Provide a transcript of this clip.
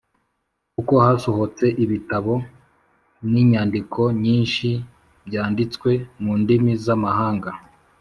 kuko hasohotse ibitabo n’inyandiko byinshi byanditse mu ndimi z’amahanga.